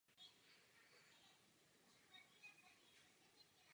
Často mívají dvojitý květní obal.